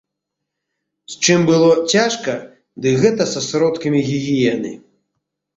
З чым было цяжка, дык гэта са сродкамі гігіены.